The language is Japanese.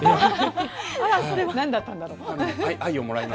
あらそれは。何だったんだろう？